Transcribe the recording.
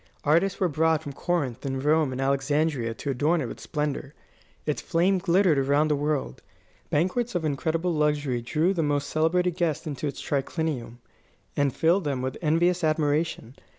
Artists were brought from Corinth and Rome and Alexandria to adorn it with splendour. Its fame glittered around the world. Banquets of incredible luxury drew the most celebrated guests into its triclinium, and filled them with envious admiration.